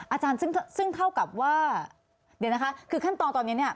อาจารย์ซึ่งเท่ากับว่าเดี๋ยวนะคะคือขั้นตอนตอนนี้เนี่ย